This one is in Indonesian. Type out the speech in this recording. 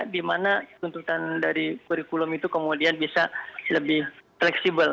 di mana tuntutan dari kurikulum itu kemudian bisa lebih fleksibel